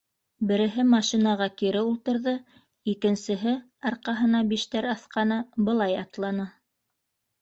Береһе машинаға кире ултырҙы, икенсеһе, арҡаһына биштәр аҫҡаны, былай атланы.